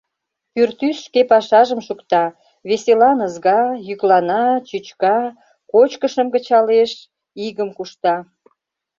Пӱртӱс шке пашажым шукта: веселан ызга, йӱклана, чӱчка, кочкышым кычалеш, игым кушта.